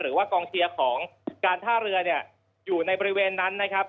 หรือว่ากองเชียร์ของการท่าเรือเนี่ยอยู่ในบริเวณนั้นนะครับ